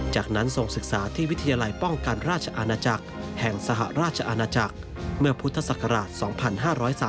จากนั้นส่งศึกษาที่วิทยาลัยป้องกันราชอาณาจักรแห่งสหราชอาณาจักรเมื่อพุทธศักราช๒๕๓๓